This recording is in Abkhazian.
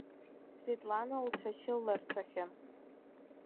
Светлана лцәашьы лырцәахьан.